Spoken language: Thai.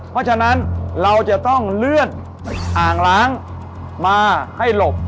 เพราะฉะนั้นเราจะต้องเลื่อนอ่างล้างมาให้หลบ